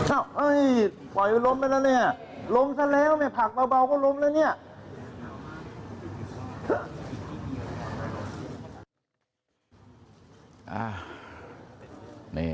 โอ้ยยยยยปล่อยลมไปแล้วลมซะแล้วผักเบาก็ลมแล้วเนี่ย